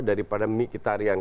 daripada miki tarian